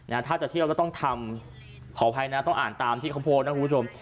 ถ้าจะเที่ยวแล้วต้องทำขออภัยนะต้องอ่านตามที่เขาโพสต์นะคุณผู้ชม